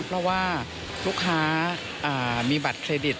เพราะว่าลูกค้ามีบัตรเครดิต